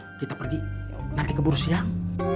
ayo kita pergi nanti keburu siang